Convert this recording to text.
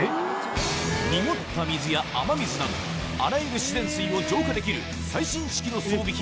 濁った水や雨水などあらゆる自然水を浄化できる最新式の装備品